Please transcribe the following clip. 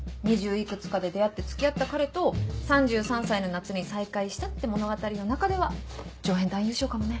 いくつかで出会って付き合った彼と３３歳の夏に再会したって物語の中では助演男優賞かもね。